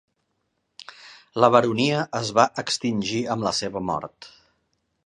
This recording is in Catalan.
La baronia es va extingir amb la seva mort.